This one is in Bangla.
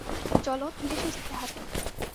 চলো, ধীরেসুস্থে হাঁটো।